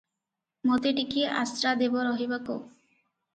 ମୋତେ ଟିକିଏ ଆଶ୍ରା ଦେବ ରହିବାକୁ?"